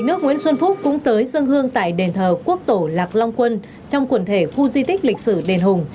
thủ tướng nguyễn xuân phúc cũng tới dân hương tại đền thờ quốc tổ lạc long quân trong quần thể khu di tích lịch sử đền hùng